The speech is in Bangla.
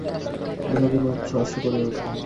বিনোদিনী উচ্চহাস্য করিয়া উঠিল।